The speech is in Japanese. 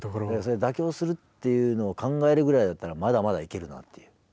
妥協するっていうのを考えるぐらいだったらまだまだいけるなっていう。